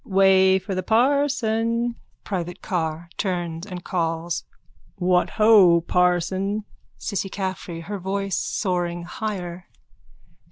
_ Way for the parson. PRIVATE CARR: (Turns and calls.) What ho, parson! CISSY CAFFREY: _(Her voice soaring higher.)